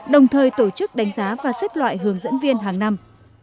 đồng thời tổ chức đánh giá và xếp loại hướng dẫn viên hàng năm